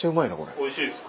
おいしいですか。